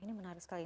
ini menarik sekali